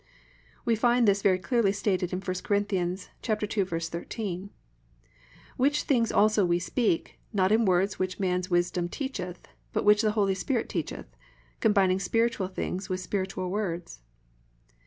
We find this very clearly stated in 1 Cor. 2:13: +"Which things also we speak, not in words which man's wisdom teacheth, but which the Holy Spirit teacheth; combining spiritual things with spiritual words."